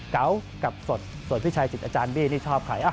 เก๋ากับสดส่วนพี่ชายจิตอาจารย์บี้นี่ชอบใคร